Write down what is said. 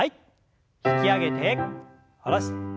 引き上げて下ろして。